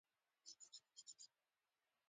بله ډله چې سور رنګ اختیاروي دویم رنګ فوکسین دی.